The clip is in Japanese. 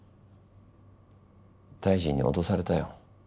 大臣に脅されたよ。